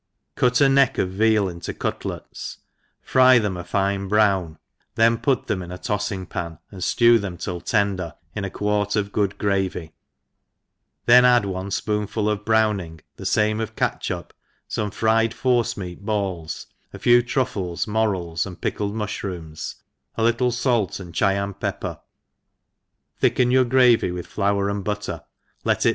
CUT a neck of veal into cutlets, fry them a fine brown, then put them into a toffing pan, and ftcw them till tender in a quart of good gravy, then add one fpoohful of browning, the fame of catchup, fome fried forcemeat balls, a fc\y truffles, morels, and pickled muflirooms, a lit ^ tic fait, and Chyan pepper, thicken your gravy ' with flour and butter, let it.